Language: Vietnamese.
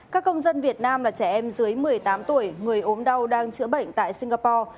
các công dân việt nam là trẻ em dưới một mươi tám tuổi người ốm đau đang chữa bệnh tại singapore